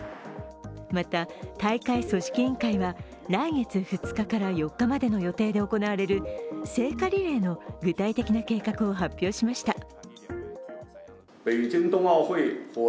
また、大会組織委員会は来月２日から４日までの予定で行われる聖火リレーの具体的な計画を発表しました。